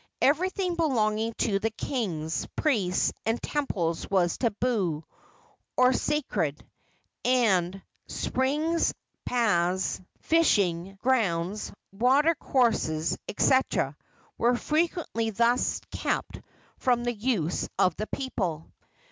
Everything belonging to the kings, priests and temples was tabu, or sacred, and springs, paths, fishing grounds, water courses, etc., were frequently thus kept from the use of the people.